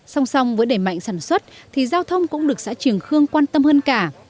song song với đẩy mạnh sản xuất thì giao thông cũng được xã trường khương quan tâm hơn cả